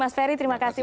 mas ferry terima kasih